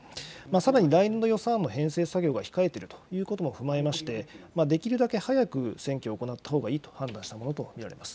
さらに来年度予算案の編成作業が控えているということも踏まえまして、できるだけ早く選挙を行ったほうがいいと判断したものと見られます。